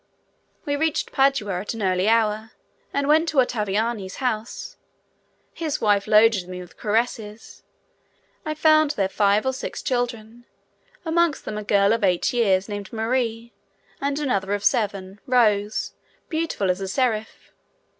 We reached Padua at an early hour and went to Ottaviani's house; his wife loaded me with caresses. I found there five or six children, amongst them a girl of eight years, named Marie, and another of seven, Rose, beautiful as a seraph.